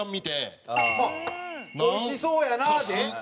あっ「おいしそうやな」で？